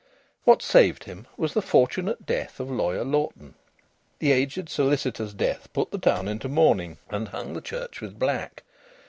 What saved him was the fortunate death of Lawyer Lawton. The aged solicitor's death put the town into mourning and hung the church with black.